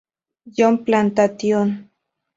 John Plantation.